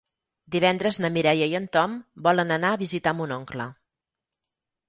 Divendres na Mireia i en Tom volen anar a visitar mon oncle.